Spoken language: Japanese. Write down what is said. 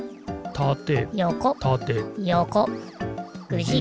たて。